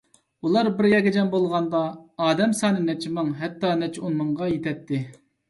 ئۇلار بىر يەرگە جەم بولغاندا، ئادەم سانى نەچچە مىڭ، ھەتتا نەچچە ئون مىڭغا يېتەتتى.